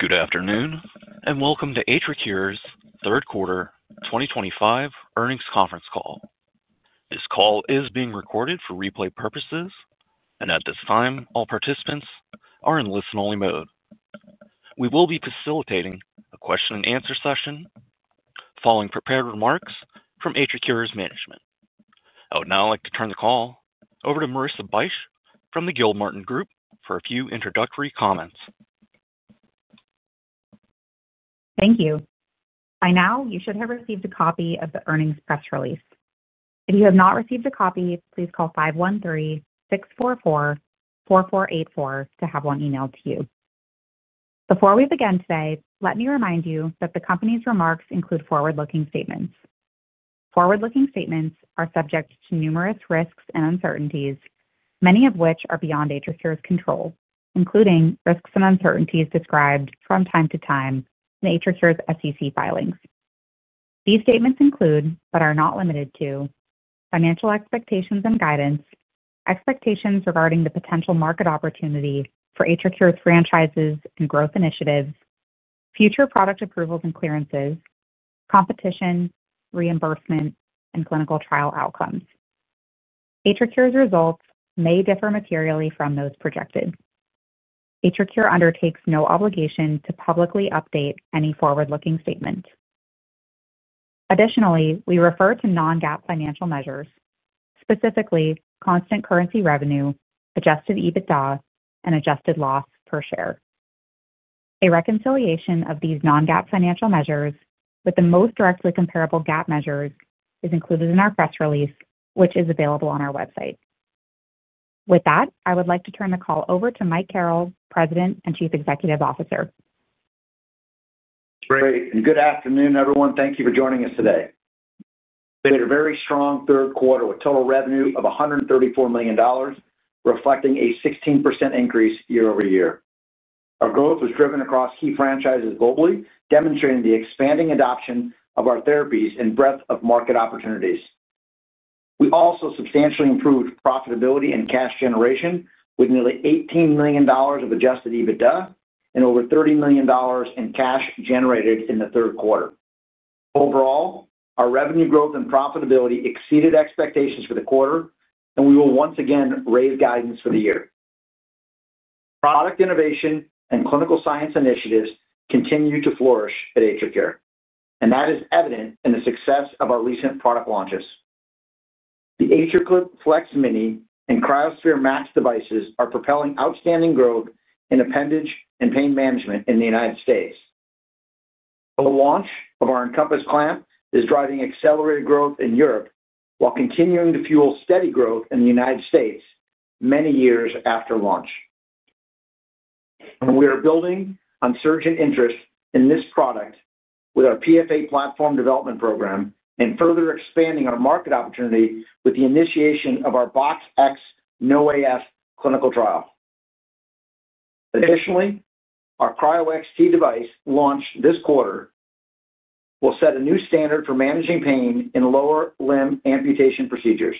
Good afternoon and welcome to AtriCure's third quarter 2025 earnings conference call. This call is being recorded for replay purposes, and at this time, all participants are in listen-only mode. We will be facilitating a question-and-answer session following prepared remarks from AtriCure's management. I would now like to turn the call over to Marissa Bych from the Gilmartin Group for a few introductory comments. Thank you. By now, you should have received a copy of the earnings press release. If you have not received a copy, please call 513-644-4484 to have one emailed to you. Before we begin today, let me remind you that the company's remarks include forward-looking statements. Forward-looking statements are subject to numerous risks and uncertainties, many of which are beyond AtriCure's control, including risks and uncertainties described from time to time in AtriCure's SEC filings. These statements include, but are not limited to, financial expectations and guidance, expectations regarding the potential market opportunity for AtriCure's franchises and growth initiatives, future product approvals and clearances, competition, reimbursement, and clinical trial outcomes. AtriCure's results may differ materially from those projected. AtriCure undertakes no obligation to publicly update any forward-looking statement. Additionally, we refer to non-GAAP financial measures, specifically constant currency revenue, adjusted EBITDA, and adjusted loss per share. A reconciliation of these non-GAAP financial measures with the most directly comparable GAAP measures is included in our press release, which is available on our website. With that, I would like to turn the call over to Michael Carrel, President and Chief Executive Officer. It's great. Good afternoon, everyone. Thank you for joining us today. We had a very strong third quarter with total revenue of $134 million, reflecting a 16% increase year-over-year. Our growth was driven across key franchises globally, demonstrating the expanding adoption of our therapies and breadth of market opportunities. We also substantially improved profitability and cash generation with nearly $18 million of adjusted EBITDA and over $30 million in cash generated in the third quarter. Overall, our revenue growth and profitability exceeded expectations for the quarter, and we will once again raise guidance for the year. Product innovation and clinical science initiatives continue to flourish at AtriCure, and that is evident in the success of our recent product launches. The AtriClip FLEX Mini and CryoSPHERE MAX devices are propelling outstanding growth in appendage and pain management in the United States. The launch of our Encompass clamp is driving accelerated growth in Europe while continuing to fuel steady growth in the United States, many years after launch. We are building on surge in interest in this product with our PFA platform development program and further expanding our market opportunity with the initiation of our BoxX-noAF clinical trial. Additionally, our CryoXT device launch this quarter will set a new standard for managing pain in lower limb amputation procedures.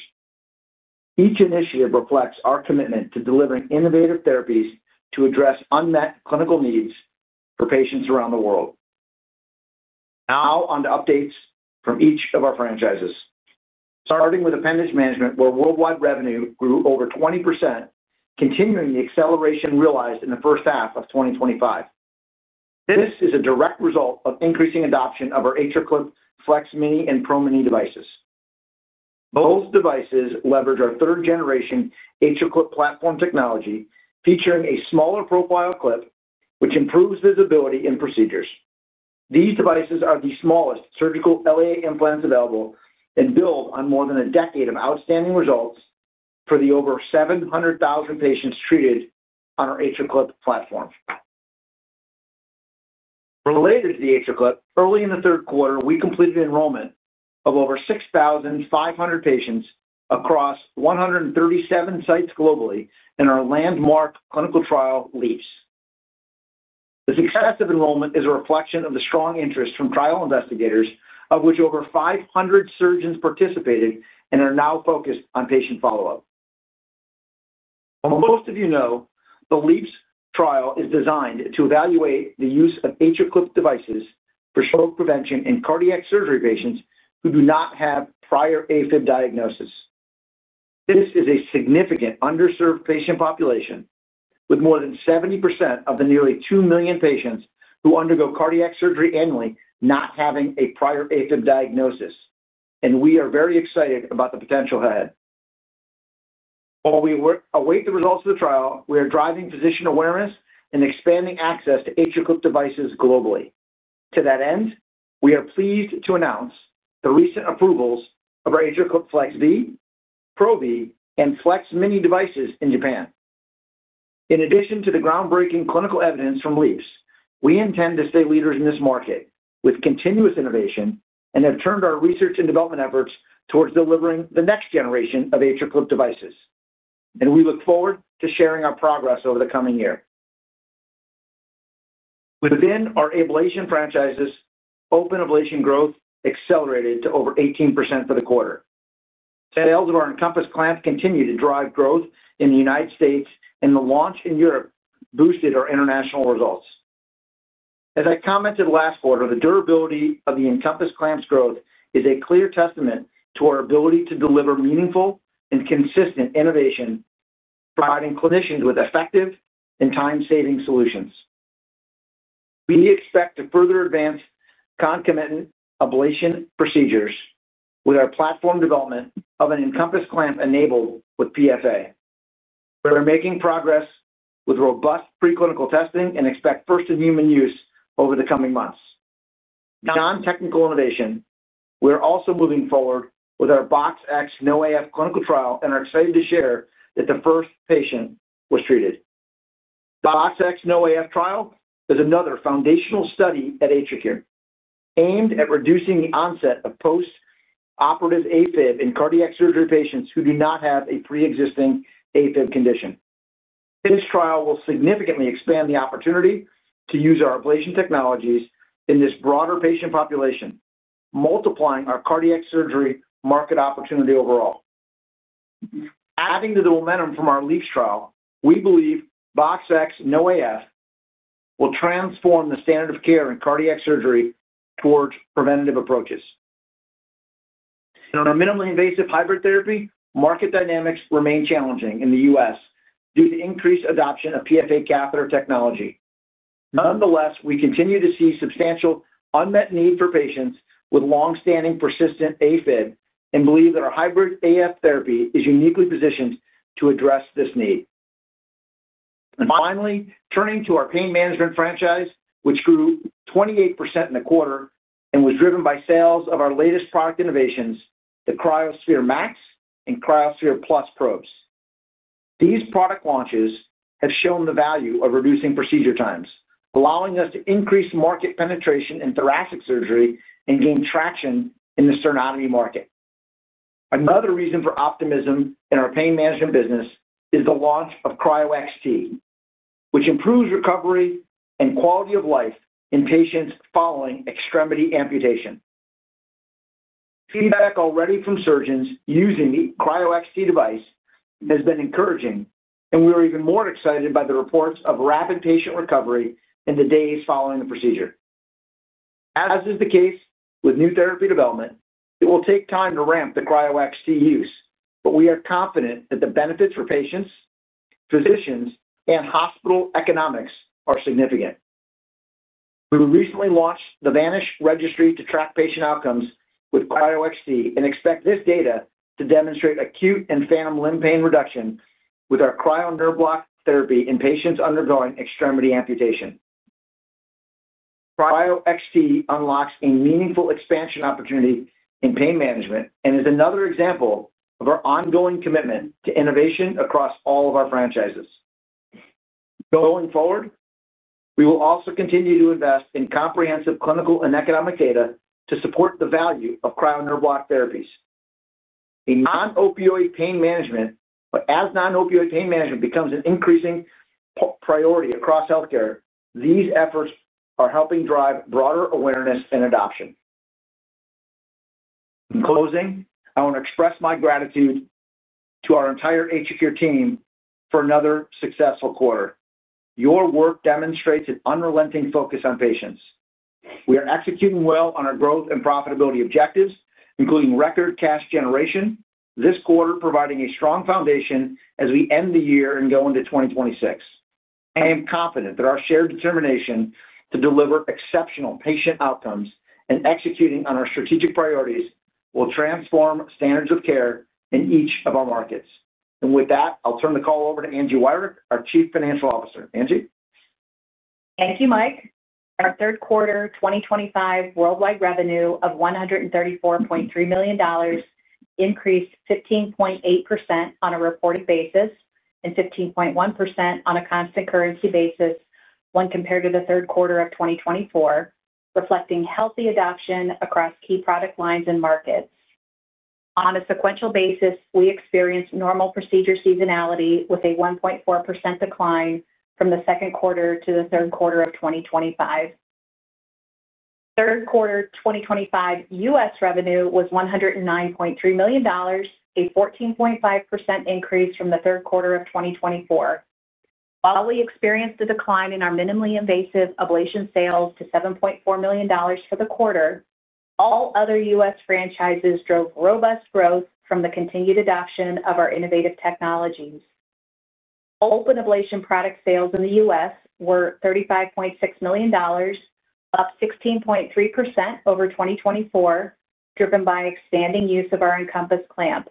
Each initiative reflects our commitment to delivering innovative therapies to address unmet clinical needs for patients around the world. Now, on to updates from each of our franchises. Starting with appendage management, where worldwide revenue grew over 20%, continuing the acceleration realized in the first half of 2025. This is a direct result of increasing adoption of our AtriClip FLEX Mini and AtriClip PRO Mini devices. Both devices leverage our third-generation AtriClip platform technology, featuring a smaller profile clip, which improves visibility in procedures. These devices are the smallest surgical LA implants available and build on more than a decade of outstanding results for the over 700,000 patients treated on our AtriClip platform. Related to the AtriClip, early in the third quarter, we completed enrollment of over 6,500 patients across 137 sites globally in our landmark clinical trial LEAPS. The success of enrollment is a reflection of the strong interest from trial investigators, of which over 500 surgeons participated and are now focused on patient follow-up. Most of you know the LEAPS trial is designed to evaluate the use of AtriClip devices for stroke prevention in cardiac surgery patients who do not have prior AFib diagnosis. This is a significant underserved patient population, with more than 70% of the nearly 2 million patients who undergo cardiac surgery annually not having a prior AFib diagnosis, and we are very excited about the potential ahead. While we await the results of the trial, we are driving physician awareness and expanding access to AtriClip devices globally. To that end, we are pleased to announce the recent approvals of our AtriClip FLEX V, PRO V, and FLEX Mini devices in Japan. In addition to the groundbreaking clinical evidence from LEAPS, we intend to stay leaders in this market with continuous innovation and have turned our research and development efforts towards delivering the next generation of AtriClip devices, and we look forward to sharing our progress over the coming year. Within our ablation franchises, open ablation growth accelerated to over 18% for the quarter. Sales of our Encompass clamp continue to drive growth in the United States, and the launch in Europe boosted our international results. As I commented last quarter, the durability of the Encompass clamp's growth is a clear testament to our ability to deliver meaningful and consistent innovation, providing clinicians with effective and time-saving solutions. We expect to further advance concomitant ablation procedures with our platform development of an Encompass clamp enabled with PFA. We are making progress with robust preclinical testing and expect first-in-human use over the coming months. Beyond technical innovation, we are also moving forward with our BoxX-NoAF clinical trial and are excited to share that the first patient was treated. The BoxX-NoAF trial is another foundational study at AtriCure, aimed at reducing the onset of postoperative AFib in cardiac surgery patients who do not have a preexisting AFib condition. This trial will significantly expand the opportunity to use our ablation technologies in this broader patient population, multiplying our cardiac surgery market opportunity overall. Adding to the momentum from our LEAPS trial, we believe BoxX-NoAF will transform the standard of care in cardiac surgery towards preventative approaches. In our minimally invasive hybrid therapy, market dynamics remain challenging in the U.S. due to increased adoption of PFA catheter technology. Nonetheless, we continue to see substantial unmet need for patients with longstanding persistent AFib and believe that our hybrid AF therapy is uniquely positioned to address this need. Finally, turning to our pain management franchise, which grew 28% in a quarter and was driven by sales of our latest product innovations, the CryoSPHERE MAX and CryoSPHERE PLUS probes. These product launches have shown the value of reducing procedure times, allowing us to increase market penetration in thoracic surgery and gain traction in the sternotomy market. Another reason for optimism in our pain management business is the launch of CryoXT, which improves recovery and quality of life in patients following extremity amputation. Feedback already from surgeons using the CryoXT device has been encouraging, and we are even more excited by the reports of rapid patient recovery in the days following the procedure. As is the case with new therapy development, it will take time to ramp the CryoXT use, but we are confident that the benefits for patients, physicians, and hospital economics are significant. We recently launched the Vanish Registry to track patient outcomes with CryoXT and expect this data to demonstrate acute and phantom limb pain reduction with our cryo nerve block therapy in patients undergoing extremity amputation. CryoXT unlocks a meaningful expansion opportunity in pain management and is another example of our ongoing commitment to innovation across all of our franchises. Going forward, we will also continue to invest in comprehensive clinical and economic data to support the value of cryo nerve block therapies. As non-opioid pain management becomes an increasing priority across healthcare, these efforts are helping drive broader awareness and adoption. In closing, I want to express my gratitude to our entire AtriCure team for another successful quarter. Your work demonstrates an unrelenting focus on patients. We are executing well on our growth and profitability objectives, including record cash generation, this quarter providing a strong foundation as we end the year and go into 2026. I am confident that our shared determination to deliver exceptional patient outcomes and executing on our strategic priorities will transform standards of care in each of our markets. With that, I'll turn the call over to Angela Wirick, our Chief Financial Officer. Angela? Thank you, Mike. Our third quarter 2025 worldwide revenue of $134.3 million increased 15.8% on a reporting basis and 15.1% on a constant currency basis when compared to the third quarter of 2024, reflecting healthy adoption across key product lines and markets. On a sequential basis, we experienced normal procedure seasonality with a 1.4% decline from the second quarter to the third quarter of 2025. Third quarter 2025 U.S. revenue was $109.3 million, a 14.5% increase from the third quarter of 2024. While we experienced a decline in our minimally invasive ablation sales to $7.4 million for the quarter, all other U.S. franchises drove robust growth from the continued adoption of our innovative technologies. Open ablation product sales in the U.S. were $35.6 million, up 16.3% over 2024, driven by expanding use of our Encompass clamp.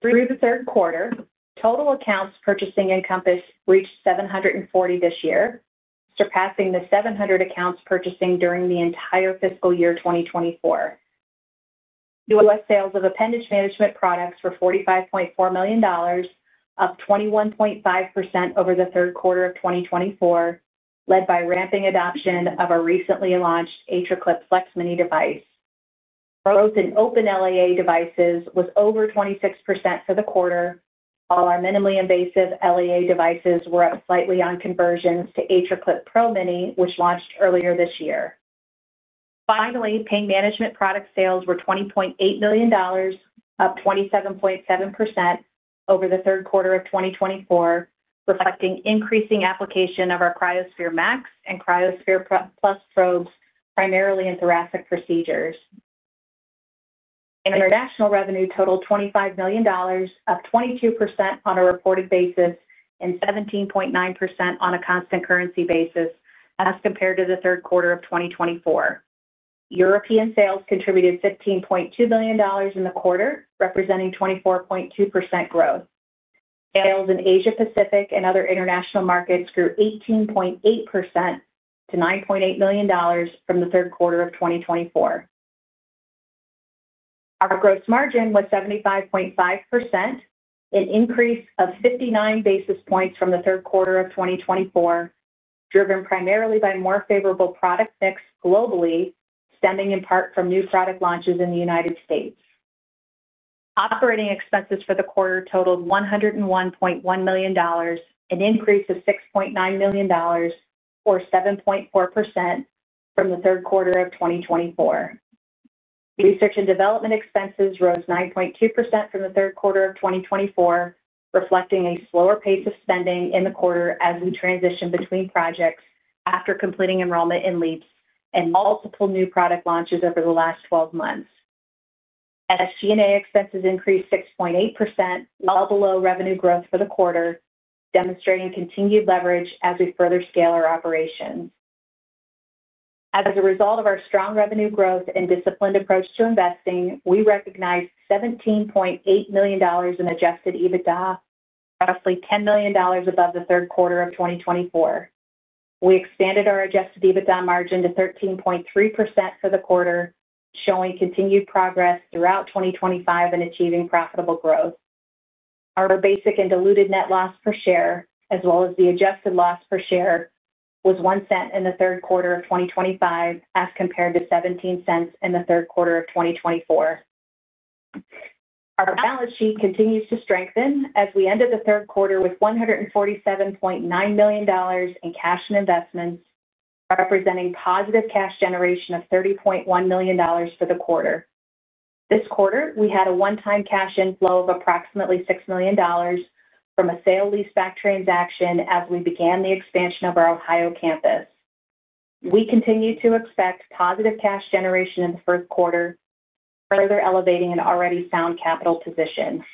Through the third quarter, total accounts purchasing Encompass reached 740 this year, surpassing the 700 accounts purchasing during the entire fiscal year 2024. U.S. sales of appendage management products were $45.4 million, up 21.5% over the third quarter of 2024, led by ramping adoption of our recently launched AtriClip FLEX Mini device. Growth in open LAA devices was over 26% for the quarter, while our minimally invasive LAA devices were up slightly on conversions to AtriClip PRO Mini, which launched earlier this year. Finally, pain management product sales were $20.8 million, up 27.7% over the third quarter of 2024, reflecting increasing application of our CryoSPHERE MAX and CryoSPHERE PLUS probes, primarily in thoracic procedures. International revenue totaled $25 million, up 22% on a reported basis and 17.9% on a constant currency basis, as compared to the third quarter of 2024. European sales contributed $15.2 million in the quarter, representing 24.2% growth. Sales in Asia-Pacific and other international markets grew 18.8% to $9.8 million from the third quarter of 2024. Our gross margin was 75.5%, an increase of 59 basis points from the third quarter of 2024, driven primarily by more favorable product mix globally, stemming in part from new product launches in the United States. Operating expenses for the quarter totaled $101.1 million, an increase of $6.9 million, or 7.4% from the third quarter of 2024. Research and development expenses rose 9.2% from the third quarter of 2024, reflecting a slower pace of spending in the quarter as we transition between projects after completing enrollment in LEAPS and multiple new product launches over the last 12 months. As G&A expenses increased 6.8%, well below revenue growth for the quarter, demonstrating continued leverage as we further scale our operations. As a result of our strong revenue growth and disciplined approach to investing, we recognized $17.8 million in adjusted EBITDA, roughly $10 million above the third quarter of 2024. We expanded our adjusted EBITDA margin to 13.3% for the quarter, showing continued progress throughout 2025 in achieving profitable growth. Our basic and diluted net loss per share, as well as the adjusted loss per share, was $0.01 in the third quarter of 2025, as compared to $0.17 in the third quarter of 2024. Our balance sheet continues to strengthen as we ended the third quarter with $147.9 million in cash and investments, representing positive cash generation of $30.1 million for the quarter. This quarter, we had a one-time cash inflow of approximately $6 million from a sale leaseback transaction as we began the expansion of our Ohio campus. We continue to expect positive cash generation in the first quarter, further elevating an already sound capital position.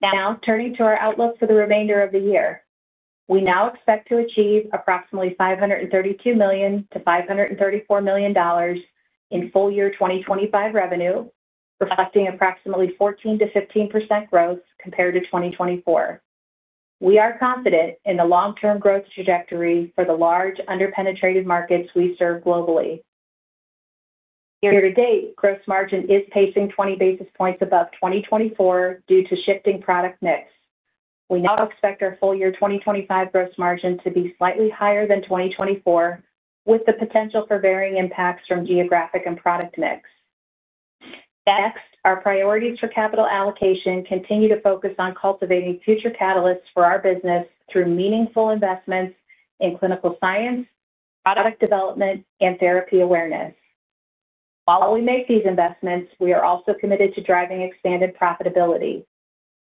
Now, turning to our outlook for the remainder of the year, we now expect to achieve approximately $532 million to $534 million in full-year 2025 revenue, reflecting approximately 14% to 15% growth compared to 2024. We are confident in the long-term growth trajectory for the large underpenetrated markets we serve globally. Year to date, gross margin is pacing 20 basis points above 2024 due to shifting product mix. We now expect our full-year 2025 gross margin to be slightly higher than 2024, with the potential for varying impacts from geographic and product mix. Next, our priorities for capital allocation continue to focus on cultivating future catalysts for our business through meaningful investments in clinical science, product development, and therapy awareness. While we make these investments, we are also committed to driving expanded profitability.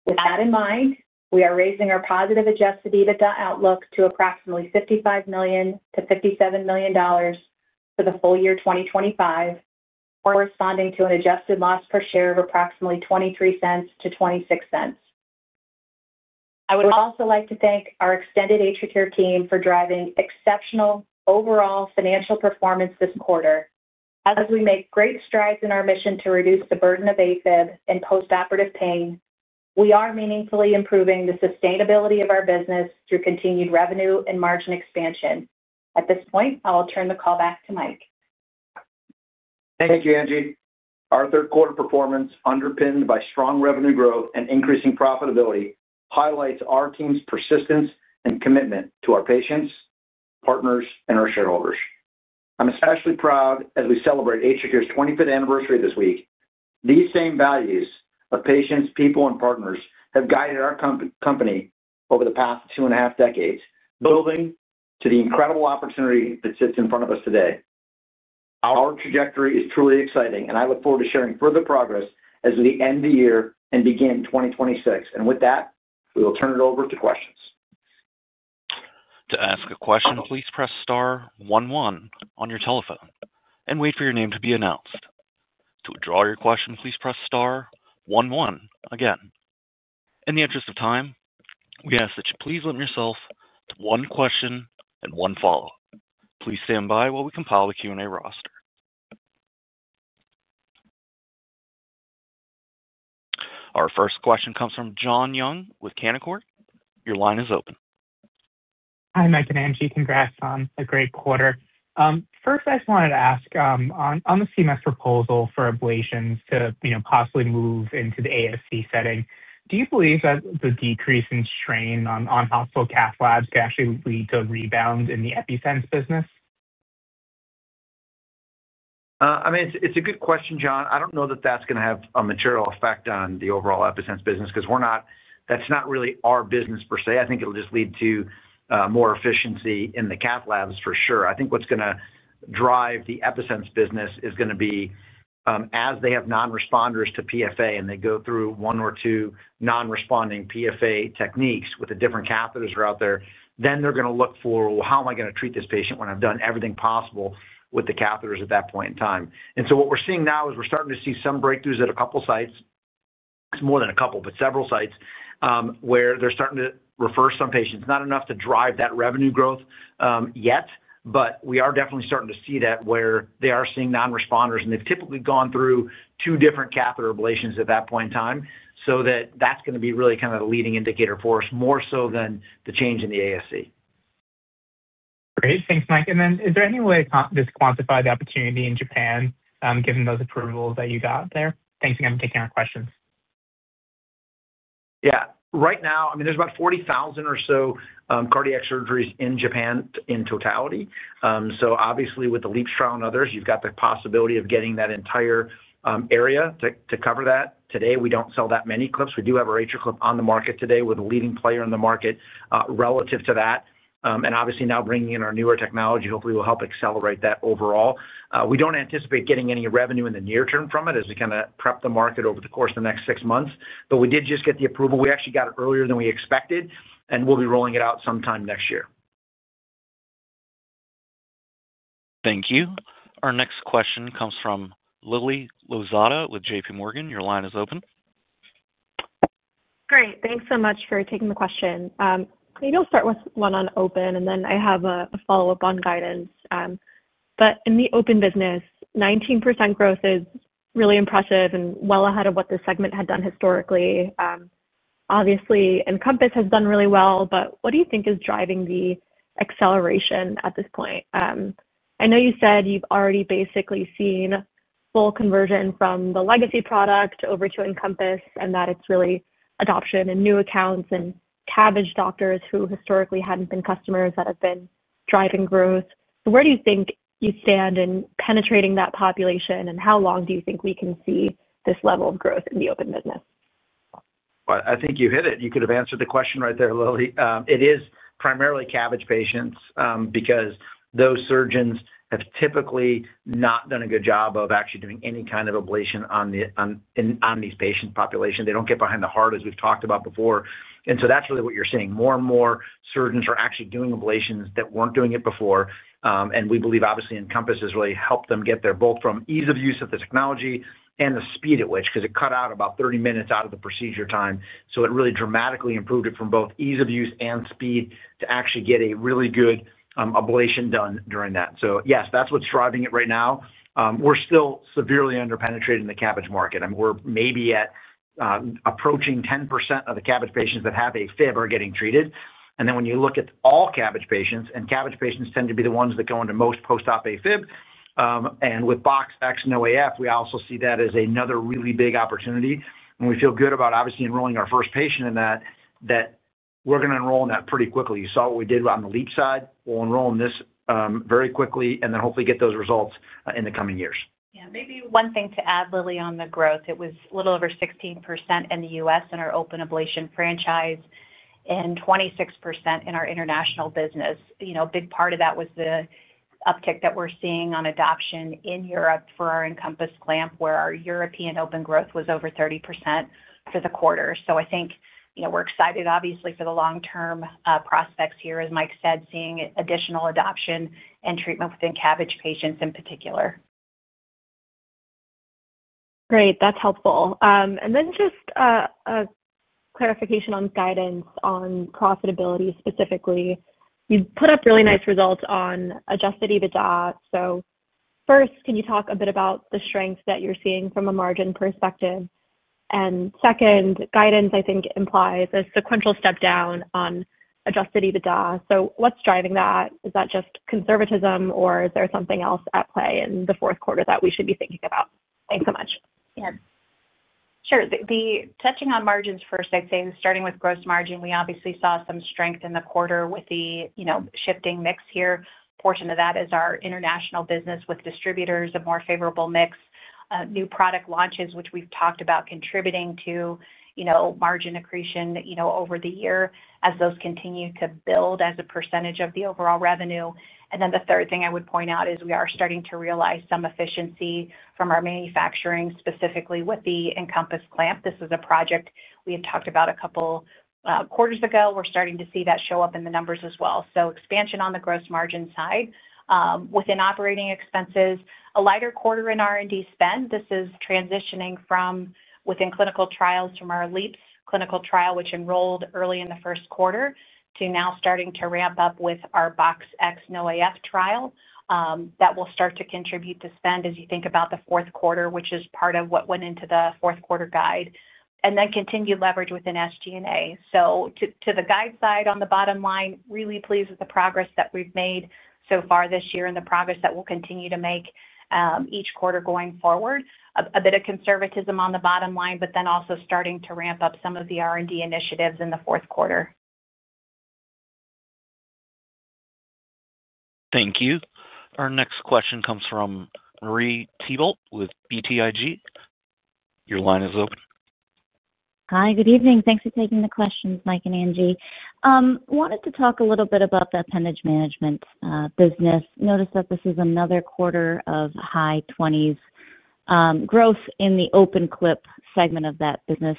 With that in mind, we are raising our positive adjusted EBITDA outlook to approximately $55 million to $57 million for the full year 2025, corresponding to an adjusted loss per share of approximately $0.23 to $0.26. I would also like to thank our extended AtriCure team for driving exceptional overall financial performance this quarter. As we make great strides in our mission to reduce the burden of AFib and postoperative pain, we are meaningfully improving the sustainability of our business through continued revenue and margin expansion. At this point, I will turn the call back to Mike. Thank you, Angie. Our third-quarter performance, underpinned by strong revenue growth and increasing profitability, highlights our team's persistence and commitment to our patients, partners, and our shareholders. I'm especially proud as we celebrate AtriCure's 25th anniversary this week. These same values of patients, people, and partners have guided our company over the past two and a half decades, building to the incredible opportunity that sits in front of us today. Our trajectory is truly exciting. I look forward to sharing further progress as we end the year and begin 2026. With that, we will turn it over to questions. To ask a question, please press star one one on your telephone and wait for your name to be announced. To withdraw your question, please press star one one again. In the interest of time, we ask that you please limit yourself to one question and one follow-up. Please stand by while we compile the Q&A roster. Our first question comes from John Young with Canaccord Genuity. Your line is open. Hi, Mike and Angie. Congrats on a great quarter. First, I just wanted to ask, on the CMS proposal for ablations to possibly move into the ASC setting, do you believe that the decrease in strain on hospital cath labs could actually lead to a rebound in the EpiSense business? I mean, it's a good question, John. I don't know that that's going to have a material effect on the overall EpiSense business because that's not really our business per se. I think it'll just lead to more efficiency in the cath labs, for sure. I think what's going to drive the EpiSense business is going to be as they have non-responders to PFA and they go through one or two non-responding PFA techniques with the different catheters that are out there, they're going to look for, how am I going to treat this patient when I've done everything possible with the catheters at that point in time? What we're seeing now is we're starting to see some breakthroughs at a couple of sites, more than a couple, but several sites where they're starting to refer some patients. Not enough to drive that revenue growth yet, but we are definitely starting to see that where they are seeing non-responders, and they've typically gone through two different catheter ablations at that point in time. That's going to be really kind of a leading indicator for us, more so than the change in the ASC. Great. Thanks, Mike. Is there any way to quantify the opportunity in Japan given those approvals that you got there? Thanks again for taking our questions. Yeah. Right now, I mean, there's about 40,000 or so cardiac surgeries in Japan in totality. Obviously, with the LEAPS trial and others, you've got the possibility of getting that entire area to cover that. Today, we don't sell that many clips. We do have our AtriClip on the market today with a leading player in the market relative to that. Obviously, now bringing in our newer technology hopefully will help accelerate that overall. We don't anticipate getting any revenue in the near term from it as we kind of prep the market over the course of the next six months. We did just get the approval. We actually got it earlier than we expected, and we'll be rolling it out sometime next year. Thank you. Our next question comes from Lily Azaran with JPMorgan. Your line is open. Great. Thanks so much for taking the question. Maybe I'll start with one on open, and then I have a follow-up on guidance. In the open business, 19% growth is really impressive and well ahead of what the segment had done historically. Obviously, Encompass has done really well, but what do you think is driving the acceleration at this point? I know you said you've already basically seen full conversion from the legacy product over to Encompass and that it's really adoption and new accounts and CABG doctors who historically hadn't been customers that have been driving growth. Where do you think you stand in penetrating that population, and how long do you think we can see this level of growth in the open business? I think you hit it. You could have answered the question right there, Lily. It is primarily CABG patients because those surgeons have typically not done a good job of actually doing any kind of ablation on these patients' population. They don't get behind the heart, as we've talked about before. That's really what you're seeing. More and more surgeons are actually doing ablations that weren't doing it before. We believe, obviously, Encompass has really helped them get there both from ease of use of the technology and the speed at which, because it cut out about 30 minutes out of the procedure time. It really dramatically improved it from both ease of use and speed to actually get a really good ablation done during that. Yes, that's what's driving it right now. We're still severely underpenetrated in the CABG market. I mean, we're maybe at approaching 10% of the CABG patients that have AFib are getting treated. When you look at all CABG patients, and CABG patients tend to be the ones that go into most post-op AFib, and with BoxX-NoAF, we also see that as another really big opportunity. We feel good about, obviously, enrolling our first patient in that, that we're going to enroll in that pretty quickly. You saw what we did on the LEAPS side. We'll enroll in this very quickly and then hopefully get those results in the coming years. Yeah. Maybe one thing to add, Lily, on the growth. It was a little over 16% in the U.S. in our open ablation franchise and 26% in our international business. A big part of that was the uptick that we're seeing on adoption in Europe for our Encompass clamp, where our European open growth was over 30% for the quarter. I think we're excited, obviously, for the long-term prospects here, as Mike said, seeing additional adoption and treatment within CABG patients in particular. Great. That's helpful. Just a clarification on guidance on profitability specifically. You put up really nice results on adjusted EBITDA. First, can you talk a bit about the strengths that you're seeing from a margin perspective? Second, guidance, I think, implies a sequential step down on adjusted EBITDA. What's driving that? Is that just conservatism, or is there something else at play in the fourth quarter that we should be thinking about? Thanks so much. Yeah. Sure. Touching on margins first, I'd say, starting with gross margin, we obviously saw some strength in the quarter with the shifting mix here. A portion of that is our international business with distributors, a more favorable mix, new product launches, which we've talked about contributing to margin accretion over the year as those continue to build as a percentage of the overall revenue. The third thing I would point out is we are starting to realize some efficiency from our manufacturing, specifically with the Encompass clamp. This is a project we had talked about a couple of quarters ago. We're starting to see that show up in the numbers as well. Expansion on the gross margin side. Within operating expenses, a lighter quarter in R&D spend. This is transitioning from within clinical trials from our LEAPS trial, which enrolled early in the first quarter, to now starting to ramp up with our BoxX-NoAF trial. That will start to contribute to spend as you think about the fourth quarter, which is part of what went into the fourth quarter guide. Continued leverage within SG&A. To the guide side, on the bottom line, really pleased with the progress that we've made so far this year and the progress that we'll continue to make each quarter going forward. A bit of conservatism on the bottom line, but also starting to ramp up some of the R&D initiatives in the fourth quarter. Thank you. Our next question comes from Marie Thibault with BTIG. Your line is open. Hi. Good evening. Thanks for taking the questions, Mike and Angie. Wanted to talk a little bit about the appendage management business. Noticed that this is another quarter of high 20s % growth in the open clip segment of that business.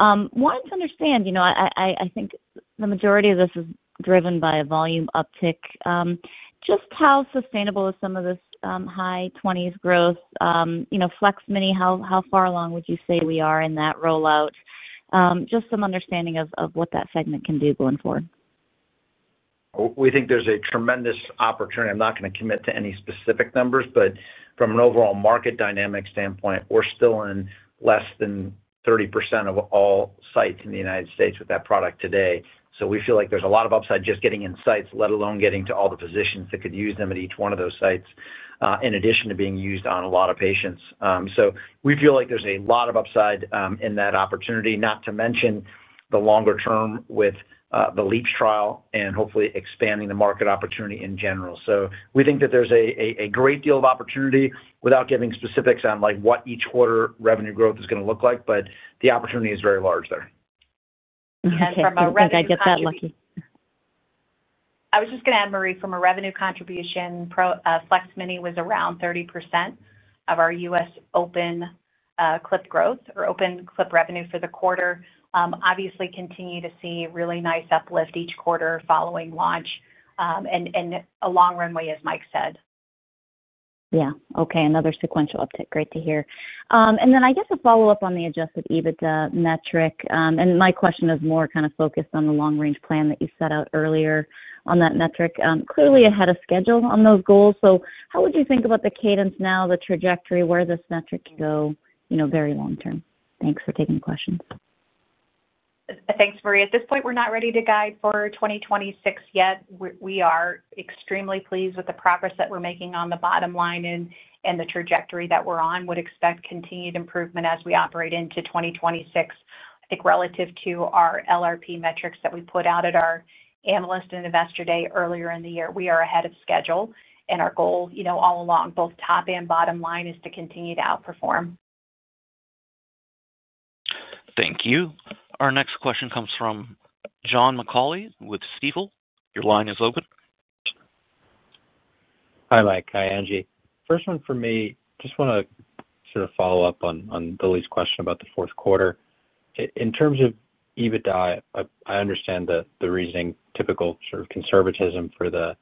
Wanted to understand, I think the majority of this is driven by a volume uptick. Just how sustainable is some of this high 20s % growth? Flex Mini, how far along would you say we are in that rollout? Just some understanding of what that segment can do going forward. We think there's a tremendous opportunity. I'm not going to commit to any specific numbers, but from an overall market dynamic standpoint, we're still in less than 30% of all sites in the U.S. with that product today. We feel like there's a lot of upside just getting in sites, let alone getting to all the physicians that could use them at each one of those sites, in addition to being used on a lot of patients. We feel like there's a lot of upside in that opportunity, not to mention the longer term with the LEAPS trial and hopefully expanding the market opportunity in general. We think that there's a great deal of opportunity without giving specifics on what each quarter revenue growth is going to look like, but the opportunity is very large there. From a revenue contribution. I was just going to add, Marie, from a revenue contribution, FLEX Mini was around 30% of our U.S. open clip growth or open clip revenue for the quarter. Obviously, continue to see really nice uplift each quarter following launch and a long runway, as Mike said. Okay. Another sequential uptick. Great to hear. I guess a follow-up on the adjusted EBITDA metric. My question is more kind of focused on the long-range plan that you set out earlier on that metric. Clearly ahead of schedule on those goals. How would you think about the cadence now, the trajectory, where this metric can go very long term? Thanks for taking the question. Thanks, Marie. At this point, we're not ready to guide for 2026 yet. We are extremely pleased with the progress that we're making on the bottom line and the trajectory that we're on. We would expect continued improvement as we operate into 2026. I think relative to our LRP metrics that we put out at our analyst and investor day earlier in the year, we are ahead of schedule. Our goal, you know, all along, both top and bottom line, is to continue to outperform. Thank you. Our next question comes from John McAulay with Stifel. Your line is open. Hi, Mike. Hi, Angie. First one for me. Just want to sort of follow up on Lily's question about the fourth quarter. In terms of EBITDA, I understand the reasoning, typical sort of conservatism for the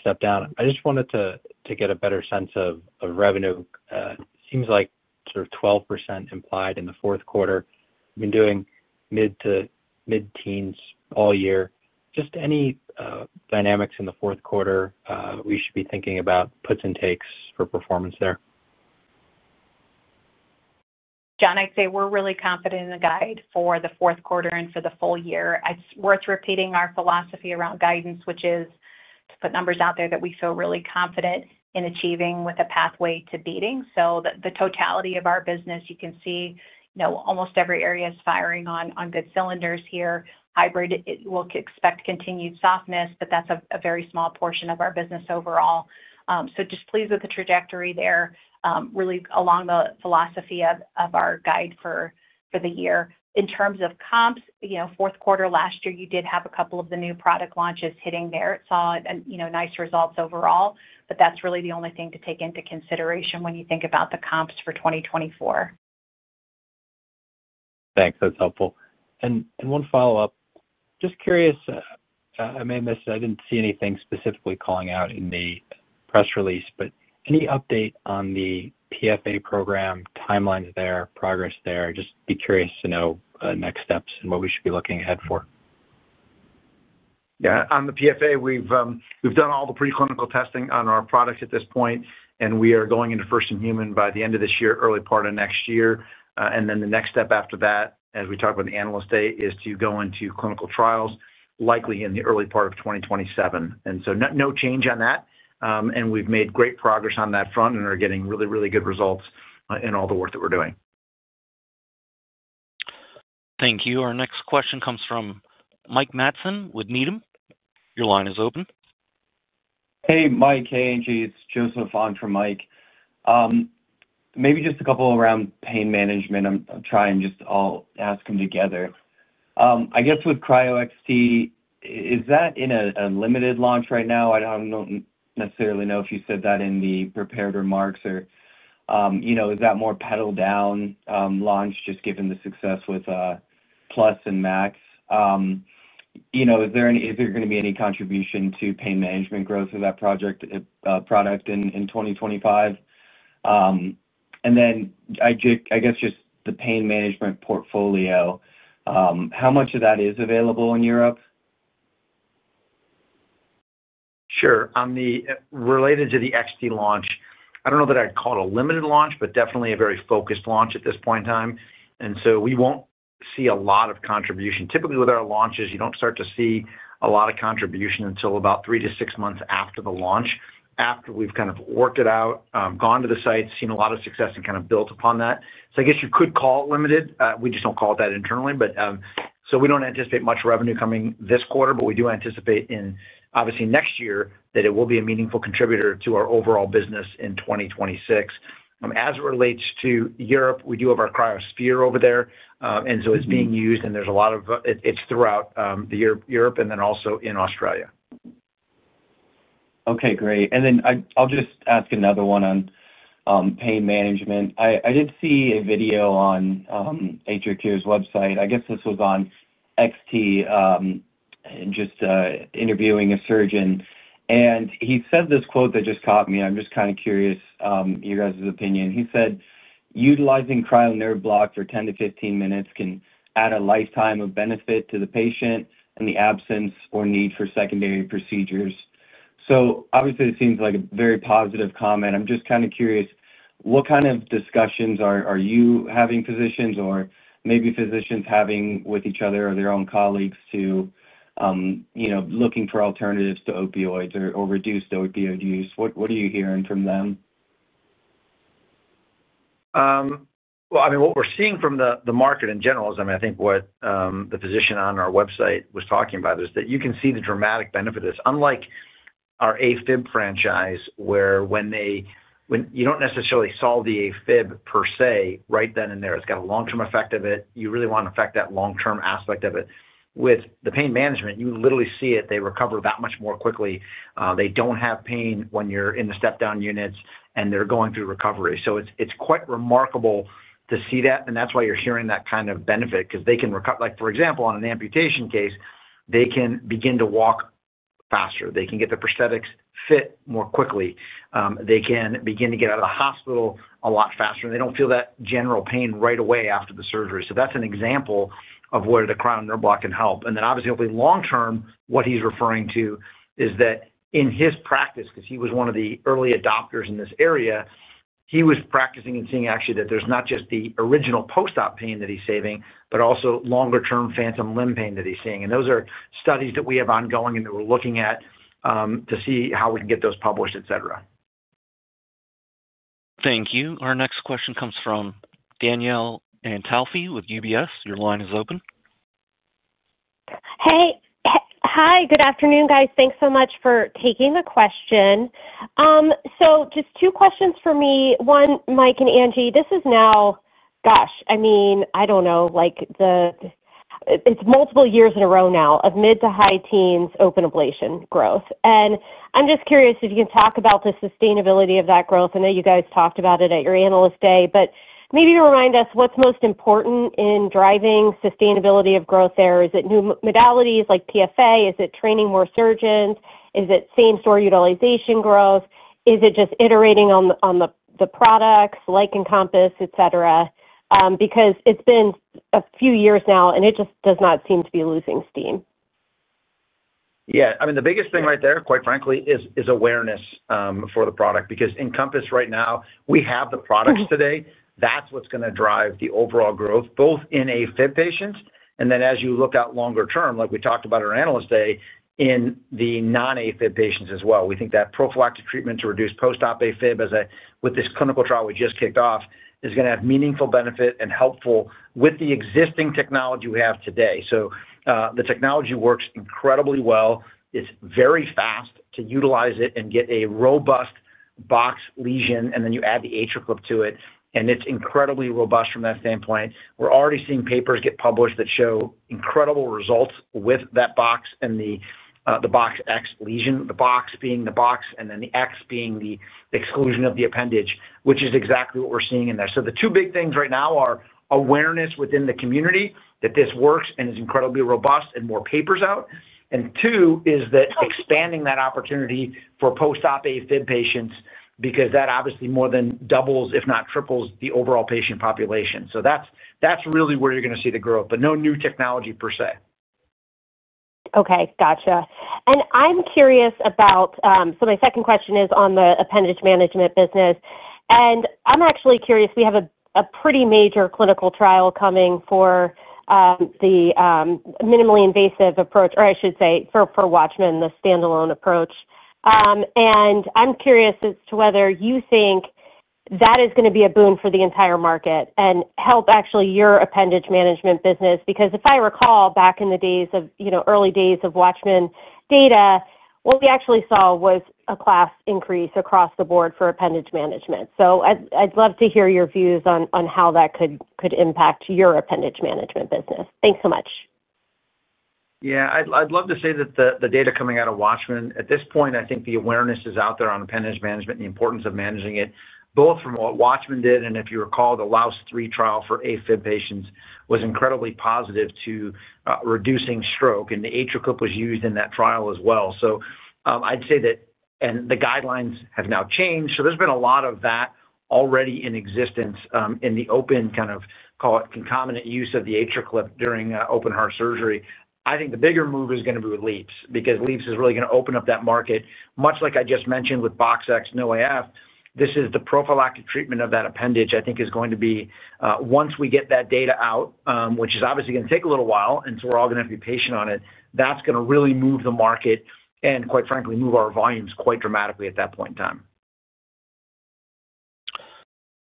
step down. I just wanted to get a better sense of revenue. It seems like sort of 12% implied in the fourth quarter. We've been doing mid-teens all year. Just any dynamics in the fourth quarter we should be thinking about, puts and takes for performance there? John, I'd say we're really confident in the guide for the fourth quarter and for the full year. It's worth repeating our philosophy around guidance, which is to put numbers out there that we feel really confident in achieving with a pathway to beating. The totality of our business, you can see almost every area is firing on good cylinders here. Hybrid, we'll expect continued softness, but that's a very small portion of our business overall. I'm just pleased with the trajectory there, really along the philosophy of our guide for the year. In terms of comps, fourth quarter last year, you did have a couple of the new product launches hitting there. It saw nice results overall, but that's really the only thing to take into consideration when you think about the comps for 2024. Thanks. That's helpful. One follow-up. Just curious, I may have missed it. I didn't see anything specifically calling out in the press release, but any update on the PFA program timelines there, progress there? Just be curious to know next steps and what we should be looking ahead for. Yeah. On the PFA, we've done all the preclinical testing on our products at this point, and we are going into first-in-human by the end of this year, early part of next year. The next step after that, as we talked about at the analyst day, is to go into clinical trials likely in the early part of 2027. There is no change on that. We've made great progress on that front and are getting really, really good results in all the work that we're doing. Thank you. Our next question comes from Mike Matson with Needham. Your line is open. Hey, Mike. Hey, Angie. It's Joseph on for Mike. Maybe just a couple around pain management. I'll try and just ask them together. I guess with CryoXT, is that in a limited launch right now? I don't necessarily know if you said that in the prepared remarks, or you know, is that more pedaled-down launch just given the success with Plus and Max? You know, is there going to be any contribution to pain management growth of that product in 2025? I guess just the pain management portfolio, how much of that is available in Europe? Sure. Related to the XT launch, I don't know that I'd call it a limited launch, but definitely a very focused launch at this point in time. We won't see a lot of contribution. Typically, with our launches, you don't start to see a lot of contribution until about three to six months after the launch, after we've kind of worked it out, gone to the sites, seen a lot of success, and kind of built upon that. I guess you could call it limited. We just don't call it that internally. We don't anticipate much revenue coming this quarter, but we do anticipate in, obviously, next year that it will be a meaningful contributor to our overall business in 2026. As it relates to Europe, we do have our CryoSPHERE over there. It's being used, and there's a lot of it throughout Europe, and then also in Australia. Okay. Great. I'll just ask another one on pain management. I did see a video on AtriCure's website. I guess this was on XT and just interviewing a surgeon. He said this quote that just caught me. I'm just kind of curious your guys' opinion. He said, "Utilizing cryo nerve block for 10 to 15 minutes can add a lifetime of benefit to the patient in the absence or need for secondary procedures." It seems like a very positive comment. I'm just kind of curious, what kind of discussions are you having with physicians or maybe physicians having with each other or their own colleagues, looking for alternatives to opioids or to reduce the opioid use? What are you hearing from them? What we're seeing from the market in general is, I think what the physician on our website was talking about is that you can see the dramatic benefit of this. Unlike our AFib franchise, where when you don't necessarily solve the AFib per se right then and there, it's got a long-term effect. You really want to affect that long-term aspect of it. With the pain management, you literally see it. They recover that much more quickly. They don't have pain when you're in the step-down units, and they're going through recovery. It's quite remarkable to see that. That's why you're hearing that kind of benefit because they can recover, like for example, on an amputation case, they can begin to walk faster. They can get the prosthetics fit more quickly. They can begin to get out of the hospital a lot faster. They don't feel that general pain right away after the surgery. That's an example of where the cryo nerve block can help. Obviously, hopefully, long term, what he's referring to is that in his practice, because he was one of the early adopters in this area, he was practicing and seeing actually that there's not just the original post-op pain that he's saving, but also longer-term phantom limb pain that he's seeing. Those are studies that we have ongoing and that we're looking at to see how we can get those published, etc. Thank you. Our next question comes from Danielle Antalffy with UBS. Your line is open. Hi. Good afternoon, guys. Thanks so much for taking the question. Just two questions for me. One, Mike and Angie, this is now, gosh, I mean, I don't know. It's multiple years in a row now of mid to high teens open ablation growth. I'm just curious if you can talk about the sustainability of that growth. I know you guys talked about it at your analyst day, but maybe you remind us what's most important in driving sustainability of growth there. Is it new modalities like PFA? Is it training more surgeons? Is it same-store utilization growth? Is it just iterating on the products like Encompass, etc.? It's been a few years now, and it just does not seem to be losing steam. Yeah. I mean, the biggest thing right there, quite frankly, is awareness for the product. Because Encompass right now, we have the products today. That's what's going to drive the overall growth, both in AFib patients, and as you look out longer term, like we talked about at our analyst day, in the non-AFib patients as well. We think that prophylactic treatment to reduce post-op AFib, as with this clinical trial we just kicked off, is going to have meaningful benefit and be helpful with the existing technology we have today. The technology works incredibly well. It's very fast to utilize it and get a robust box lesion, and then you add the AtriClip to it. It's incredibly robust from that standpoint. We're already seeing papers get published that show incredible results with that box and the BoxX lesion, the box being the box and then the X being the exclusion of the appendage, which is exactly what we're seeing in there. The two big things right now are awareness within the community that this works and is incredibly robust and more papers out. Two is expanding that opportunity for post-op AFib patients because that obviously more than doubles, if not triples, the overall patient population. That's really where you're going to see the growth, but no new technology per se. Okay. Gotcha. I'm curious about my second question on the appendage management business. I'm actually curious, we have a pretty major clinical trial coming for the minimally invasive approach, or I should say for Watchman, the standalone approach. I'm curious as to whether you think that is going to be a boon for the entire market and help actually your appendage management business. If I recall back in the days of, you know, early days of Watchman data, what we actually saw was a class increase across the board for appendage management. I'd love to hear your views on how that could impact your appendage management business. Thanks so much. Yeah. I'd love to say that the data coming out of Watchman, at this point, I think the awareness is out there on appendage management and the importance of managing it, both from what Watchman did. If you recall, the LAAOS III trial for AFib patients was incredibly positive to reducing stroke, and the AtriClip was used in that trial as well. I'd say that, and the guidelines have now changed. There's been a lot of that already in existence in the open, kind of call it concomitant use of the AtriClip during open heart surgery. I think the bigger move is going to be with LEAPS because LEAPS is really going to open up that market. Much like I just mentioned with BoxX-NoAF, this is the prophylactic treatment of that appendage I think is going to be, once we get that data out, which is obviously going to take a little while, and we're all going to have to be patient on it, that's going to really move the market and quite frankly move our volumes quite dramatically at that point in time.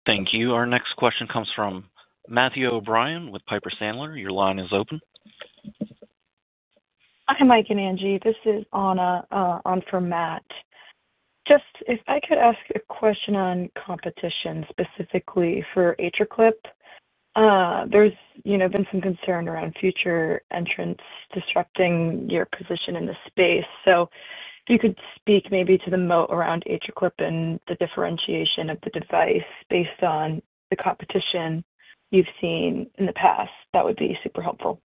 Thank you. Our next question comes from Matthew O'Brien with Piper Sandler. Your line is open. Hi, Mike and Angie. This is Anna on for Matt. If I could ask a question on competition specifically for AtriClip, there's been some concern around future entrants disrupting your position in the space. If you could speak maybe to the moat around AtriClip and the differentiation of the device based on the competition you've seen in the past, that would be super helpful.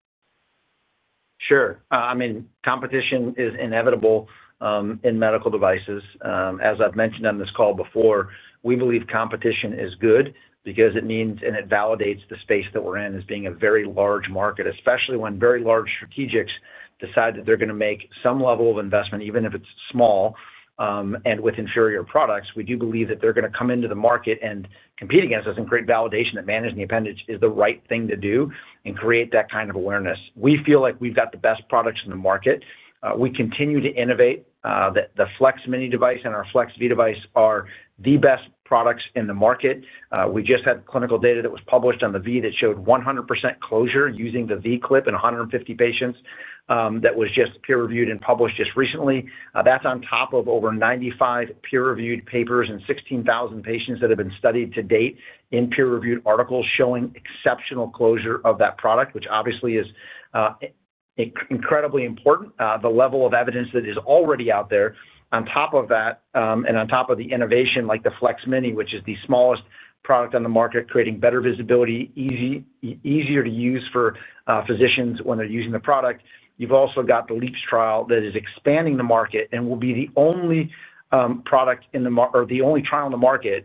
Sure. I mean, competition is inevitable in medical devices. As I've mentioned on this call before, we believe competition is good because it means and it validates the space that we're in as being a very large market, especially when very large strategics decide that they're going to make some level of investment, even if it's small and with inferior products. We do believe that they're going to come into the market and compete against us and create validation that managing the appendage is the right thing to do and create that kind of awareness. We feel like we've got the best products in the market. We continue to innovate. The AtriClip FLEX Mini device and our FLEX V device are the best products in the market. We just had clinical data that was published on the V that showed 100% closure using the V clip in 150 patients that was just peer-reviewed and published just recently. That's on top of over 95 peer-reviewed papers and 16,000 patients that have been studied to date in peer-reviewed articles showing exceptional closure of that product, which obviously is incredibly important. The level of evidence that is already out there, on top of that and on top of the innovation like the FLEX Mini, which is the smallest product on the market, creating better visibility, easier to use for physicians when they're using the product. You've also got the LEAPS trial that is expanding the market and will be the only product in the market or the only trial in the market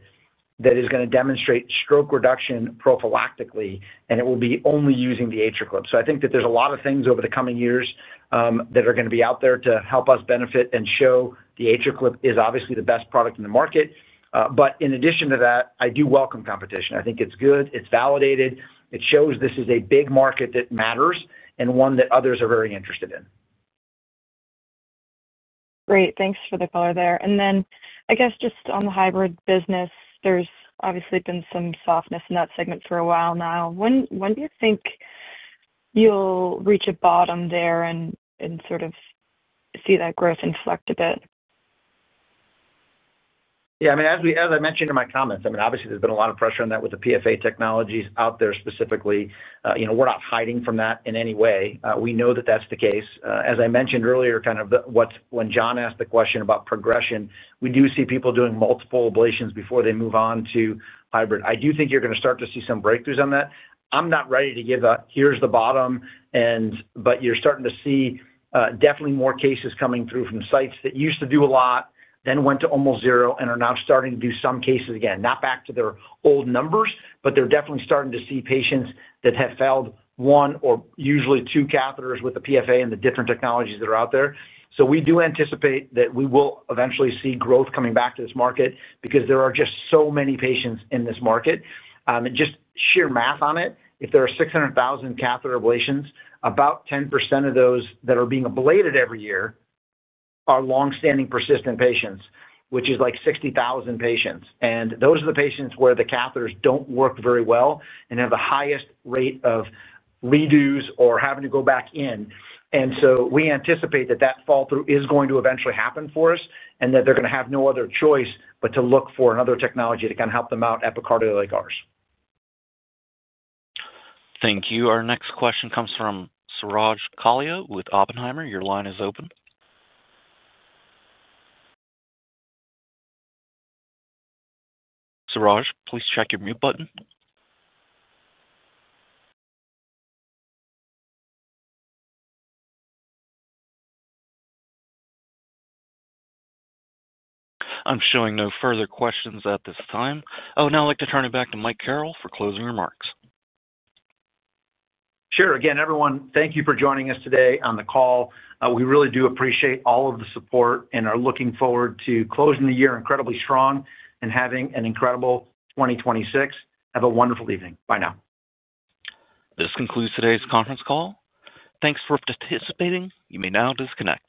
that is going to demonstrate stroke reduction prophylactically, and it will be only using the AtriClip. I think that there's a lot of things over the coming years that are going to be out there to help us benefit and show the AtriClip is obviously the best product in the market. In addition to that, I do welcome competition. I think it's good. It's validated. It shows this is a big market that matters and one that others are very interested in. Great. Thanks for the color there. I guess just on the hybrid business, there's obviously been some softness in that segment for a while now. When do you think you'll reach a bottom there and sort of see that growth inflect a bit? Yeah. As I mentioned in my comments, obviously, there's been a lot of pressure on that with the PFA technologies out there specifically. We're not hiding from that in any way. We know that that's the case. As I mentioned earlier, when John asked the question about progression, we do see people doing multiple ablations before they move on to hybrid. I do think you're going to start to see some breakthroughs on that. I'm not ready to give a here's the bottom, but you're starting to see definitely more cases coming through from sites that used to do a lot, then went to almost zero, and are now starting to do some cases again. Not back to their old numbers, but they're definitely starting to see patients that have failed one or usually two catheters with the PFA and the different technologies that are out there. We do anticipate that we will eventually see growth coming back to this market because there are just so many patients in this market. Just sheer math on it, if there are 600,000 catheter ablations, about 10% of those that are being ablated every year are long-standing persistent patients, which is like 60,000 patients. Those are the patients where the catheters don't work very well and have the highest rate of redos or having to go back in. We anticipate that that fall through is going to eventually happen for us and that they're going to have no other choice but to look for another technology to kind of help them out epicardial like ours. Thank you. Our next question comes from Suraj Kalia with Oppenheimer. Your line is open. Suraj, please check your mute button. I'm showing no further questions at this time. I'd like to turn it back to Michael H. Carrel for closing remarks. Sure. Again, everyone, thank you for joining us today on the call. We really do appreciate all of the support and are looking forward to closing the year incredibly strong and having an incredible 2026. Have a wonderful evening. Bye now. This concludes today's conference call. Thanks for participating. You may now disconnect.